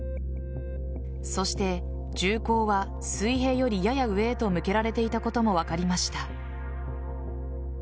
そして、銃口は水平より、やや上へと向けられていたことが分かりました。